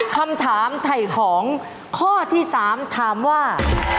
คำถามไถ่ของข้อที่๓ถามว่า